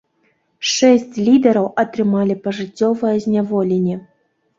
Шэсць лідараў атрымалі пажыццёвае зняволенне.